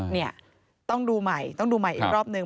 เนี่ยต้องดูใหม่ต้องดูใหม่อีกรอบนึง